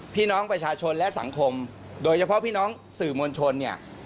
พี่น้องประชาชนและสังคมโดยเฉพาะพี่น้องสื่อมวลชนเนี่ย